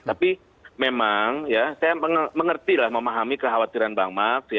tapi memang ya saya mengerti lah memahami kekhawatiran bang max